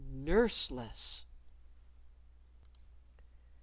nurseless.